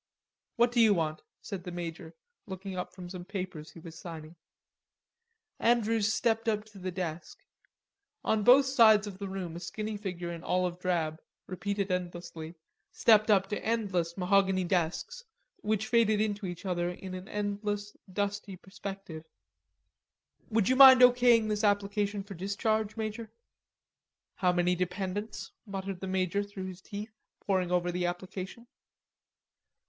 "What do you want?" said the major, looking up from some papers he was signing. Andrews stepped up to the desk. On both sides of the room a skinny figure in olive drab, repeated endlessly, stepped up to endless mahogany desks, which faded into each other in an endless dusty perspective. "Would you mind O.K. ing this application for discharge, Major?" "How many dependents?" muttered the major through his teeth, poring over the application.